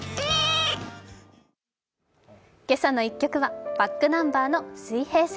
「けさの１曲」はｂａｃｋｎｕｍｂｅｒの「水平線」。